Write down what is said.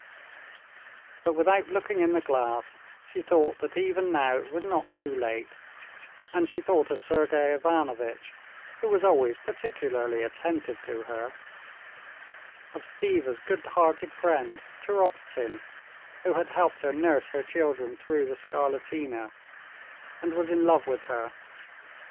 But without looking in the glass, she thought that even now it was not too late; and she thought of Sergey Ivanovitch, who was always particularly attentive to her, of Stiva's good hearted friend, Turovtsin, who had helped her nurse her children through the scarlatina, and was in love with her.